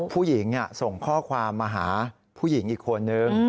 ผู้หญิงส่งข้อความมาหาผู้หญิงอีกคนนึง